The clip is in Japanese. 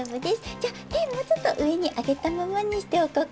じゃあてもうちょっとうえにあげたままにしておこっか。